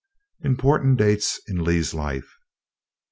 IMPORTANT DATES IN LEE'S LIFE 1807.